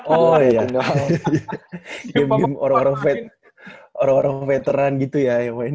oh iya game orang orang veteran gitu ya yang main